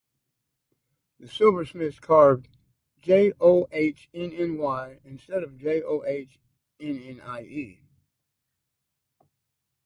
Silversmiths carved "Johnny" instead of "Johnnie.